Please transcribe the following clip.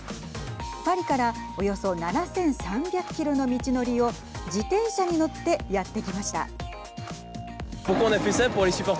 パリからおよそ７３００キロの道のりを自転車に乗ってやって来ました。